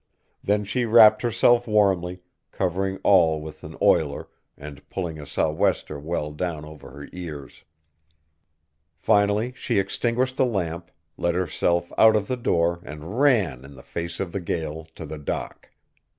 Then she wrapped herself warmly, covering all with an oiler and pulling a sou'wester well down over her ears. Finally she extinguished the lamp, let herself out of the door, and ran, in the face of the gale, to the dock.